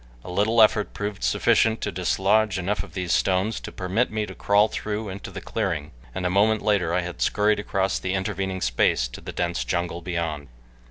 A little effort proved sufficient to dislodge enough of these stones to permit me to crawl through into the clearing, and a moment later I had scurried across the intervening space to the dense jungle beyond.